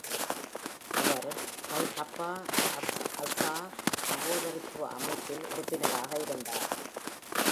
அவர் Pi Kappa Alpha சகோதரத்துவ அமைப்பில் உறுப்பினராக இருந்தார்.